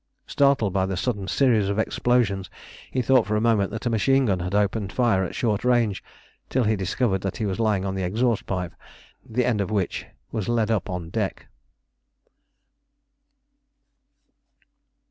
Startled by the sudden series of explosions, he thought for a moment that a machine gun had opened fire at short range, till he discovered that he was lying on the exhaust pipe, the end of which was led up on deck!